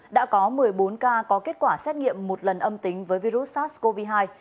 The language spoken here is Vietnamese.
đã có một mươi bốn ca có kết quả xét nghiệm một lần âm tính với virus sars cov hai